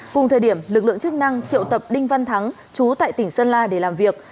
cùng thời điểm lực lượng chức năng triệu tập đinh văn thắng chú tại tỉnh sơn la để làm việc